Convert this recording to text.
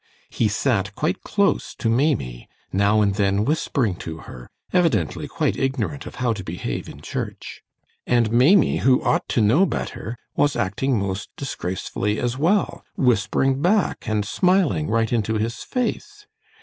He sat quite close to Maimie, now and then whispering to her, evidently quite ignorant of how to behave in church. And Maimie, who ought to know better, was acting most disgracefully as well, whispering back and smiling right into his face.